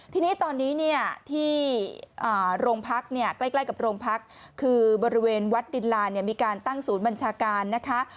ทีนี้ตอนนี้เนี่ยที่โรงพักเนี่ยใกล้กับโรงพักคือบริเวณวัดดินลานมีการตั้งศูนย์บัญชาการนะคะ